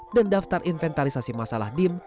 dan daftar inventarisasi masalah dim